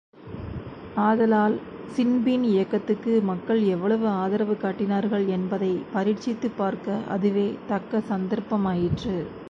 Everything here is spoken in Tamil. ஆதலால் ஸின்பீன் இயக்கத்துக்கு மக்கள் எவ்வளவு ஆதரவு காட்டினார்கள் என்பதைப் பரீட்சித்துப் பார்க்க அதுவே தக்க சந்தர்ப்பமாயிற்று.